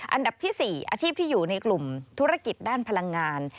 อันดับที่๔อาชีพที่อยู่ในกลุ่มธุรกิจด้านพลังงาน